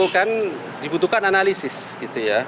kan dibutuhkan analisis gitu ya